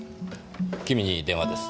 君に電話です。